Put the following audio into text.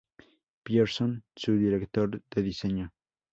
Pierson, su director de diseño.